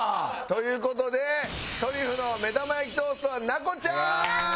という事でトリュフの目玉焼きトーストは奈子ちゃん！